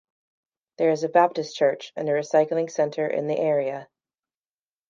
There is a Baptist church and a recycling center in the area.